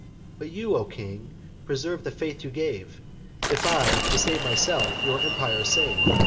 But you, O king, preserve the faith you gave, If I, to save myself, your empire save.